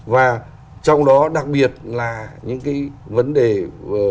và trong đó đặc biệt là những cái vấn đề